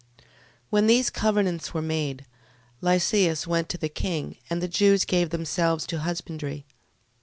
12:1. When these covenants were made, Lysias went to the king, and the Jews gave themselves to husbandry.